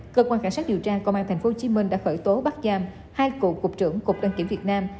cơ quan cảnh sát điều tra công an tp hcm đã khởi tố bắt giam hai cựu cục trưởng cục đăng kiểm việt nam